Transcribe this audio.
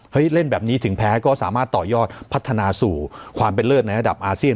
เล่นแบบนี้ถึงแพ้ก็สามารถต่อยอดพัฒนาสู่ความเป็นเลิศในระดับอาเซียน